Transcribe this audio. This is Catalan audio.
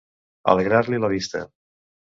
Alegrar-li la vista.